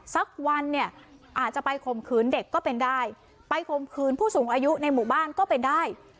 สักวันเนี่ยอาจจะไปข่มขืนเด็กก็เป็นได้ไปข่มขืนผู้สูงอายุในหมู่บ้านก็เป็นได้